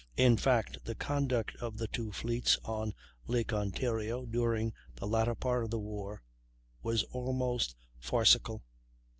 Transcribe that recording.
In fact the conduct of the two fleets on Lake Ontario during the latter part of the war was almost farcical.